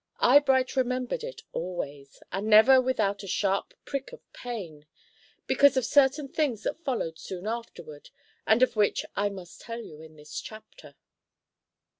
Eyebright remembered it always, and never without a sharp prick of pain, because of certain things that followed soon afterward, and of which I must tell you in this chapter.